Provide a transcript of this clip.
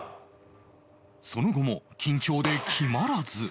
その後も緊張で決まらず